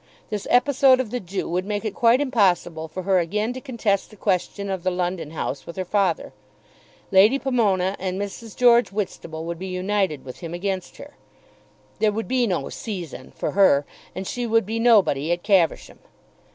This episode of the Jew would make it quite impossible for her again to contest the question of the London house with her father. Lady Pomona and Mrs. George Whitstable would be united with him against her. There would be no "season" for her, and she would be nobody at Caversham.